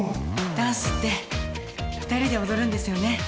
ダンスって２人で踊るんですよね？